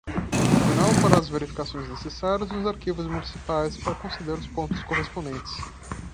O tribunal fará as verificações necessárias nos arquivos municipais para conceder os pontos correspondentes.